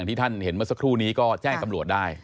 ที่ท่านเห็นเมื่อสักครู่นี้ก็แจ้งตำรวจได้